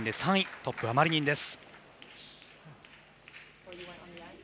トップはマリニンです。